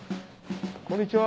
こんにちは。